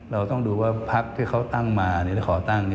เราต้องดูว่าพักที่เขาตั้งมาหรือขอตั้ง